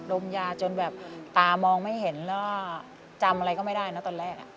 มยาจนแบบตามองไม่เห็นแล้วจำอะไรก็ไม่ได้นะตอนแรก